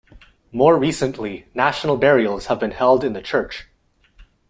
More recently, national burials have been held in the church.